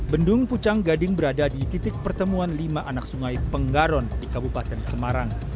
bendung pucang gading berada di titik pertemuan lima anak sungai penggaron di kabupaten semarang